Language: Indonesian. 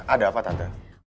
ada apa tante